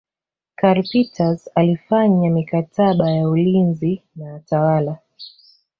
Karl Peters alifanya mikataba ya ulinzi na watawala